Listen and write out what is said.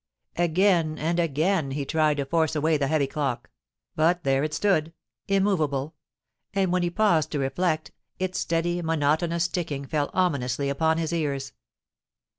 Again and again he tried to force away the heavy clock: but there it stood, immoveable—and when he paused to reflect, its steady, monotonous ticking fell ominously upon his ears.